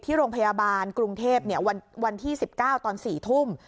ที่โรงพยาบาลกรุงเทพวันที่๑๙ตอน๔ทุ่ม